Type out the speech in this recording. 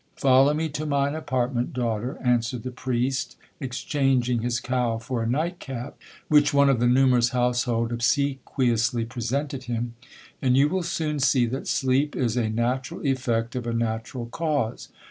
'—'Follow me to mine apartment, daughter,' answered the priest, exchanging his cowl for a night cap, which one of the numerous household obsequiously presented him, 'and you will soon see that sleep is a natural effect of a natural cause.